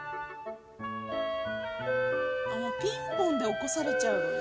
ピンポンで起こされちゃうのね。